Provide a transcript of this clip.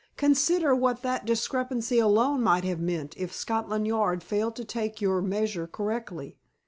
Consider what that discrepancy alone might have meant if Scotland Yard failed to take your measure correctly.